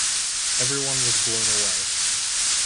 Everyone was blown away.